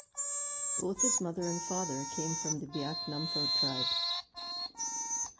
Both his mother and father came from the Biak Numfor tribe.